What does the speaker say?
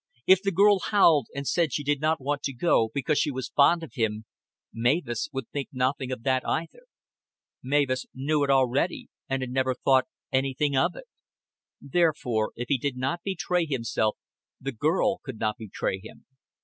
If the girl howled and said she did not want to go because she was fond of him, Mavis would think nothing of that either. Mavis knew it already, and had never thought anything of it. Therefore if he did not betray himself, the girl could not betray him.